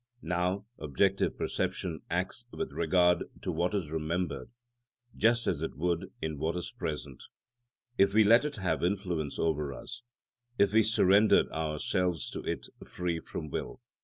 Now, objective perception acts with regard to what is remembered just as it would in what is present, if we let it have influence over us, if we surrendered ourselves to it free from will.